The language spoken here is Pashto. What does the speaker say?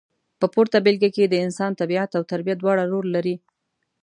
په پورته بېلګه کې د انسان طبیعت او تربیه دواړه رول لري.